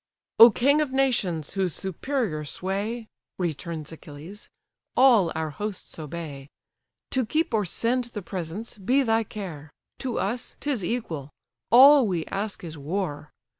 "O king of nations! whose superior sway (Returns Achilles) all our hosts obey! To keep or send the presents, be thy care; To us, 'tis equal: all we ask is war.